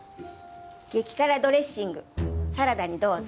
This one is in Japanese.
激辛ドレッシングサラダにどうぞ。